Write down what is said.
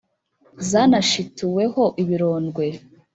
zanashituweho ibirondwe?